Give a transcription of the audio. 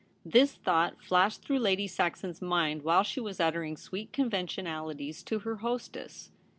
This thought flashed through Lady Saxon's mind while she was uttering sweet conven tionalities to her hostess.